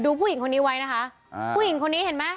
ดูผู้หญิงคนนี้ไว้นะคะ